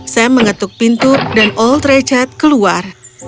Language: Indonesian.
sam mengetuk pintu dan old richard keluar